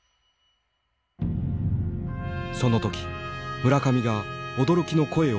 その時村上が驚きの声をあげた。